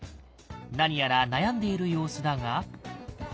何やら悩んでいる様子だが。